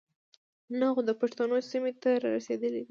نۀ خو د پښتنو سيمې ته را رسېدلے دے.